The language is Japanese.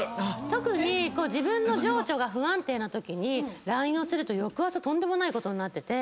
特に自分の情緒が不安定なときにＬＩＮＥをすると翌朝とんでもないことになってて。